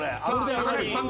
高梨さん